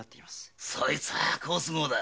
そいつは好都合だ。